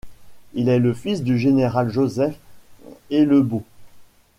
Il est le fils du général Joseph Hellebaut.